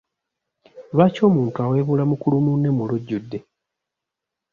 Lwaki omuntu awebuula mukulu munne mu lujjudde.